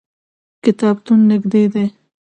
کتابتون نږدې دی